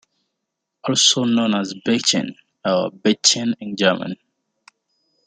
Also known as Bechin or Beching in German.